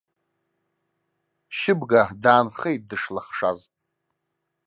Шьыбга даанхеит дышлахшаз.